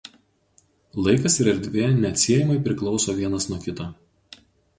Laikas ir erdvė neatsiejamai priklauso vienas nuo kito.